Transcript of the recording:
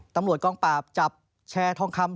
ตำรวจกองปราบจับแชร์ทองคำ